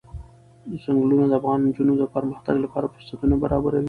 ځنګلونه د افغان نجونو د پرمختګ لپاره فرصتونه برابروي.